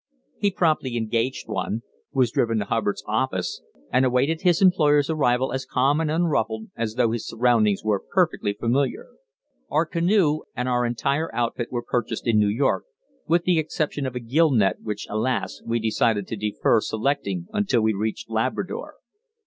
He promptly engaged one, was driven to Hubbard's office and awaited his employer's arrival as calm and unruffled as though his surroundings were perfectly familiar. Our canoe and our entire outfit were purchased in New York, with the exception of a gill net, which, alas! we decided to defer selecting until we reached Labrador.